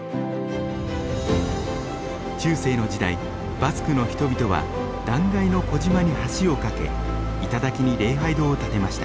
バスクの人々は断崖の小島に橋を架け頂に礼拝堂を建てました。